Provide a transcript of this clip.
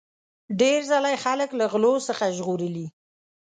ډیر ځله یې خلک له غلو څخه ژغورلي.